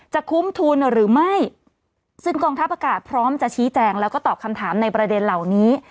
คุ้มทุนหรือไม่ซึ่งกองทัพอากาศพร้อมจะชี้แจงแล้วก็ตอบคำถามในประเด็นเหล่านี้